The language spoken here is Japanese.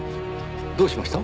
どうしました？